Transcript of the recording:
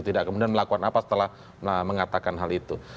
tidak kemudian melakukan apa setelah mengatakan hal itu